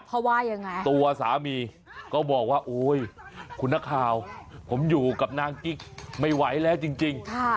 เพราะว่ายังไงตัวสามีก็บอกว่าโอ๊ยคุณนักข่าวผมอยู่กับนางกิ๊กไม่ไหวแล้วจริง